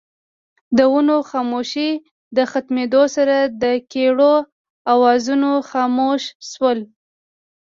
د ونو خاموشۍ د ختمېدو سره دکيرړو اوازونه خاموش شول